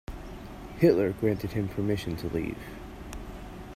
Hitler granted him permission to leave.